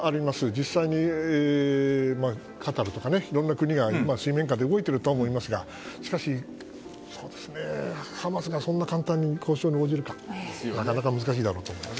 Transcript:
実際にいろんな国が水面下で動いていると思いますがしかしハマスがそんな簡単に交渉に応じるかなかなか難しいだろうと思います。